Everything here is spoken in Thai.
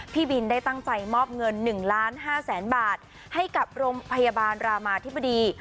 พี่บินได้ตั้งใจมอบเงิน๑ล้าน๕แสนบาทให้กับโรงพยาบาลรามาธิบดี